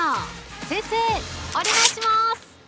先生、お願いします。